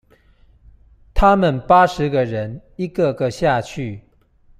他們八十個人一個個下去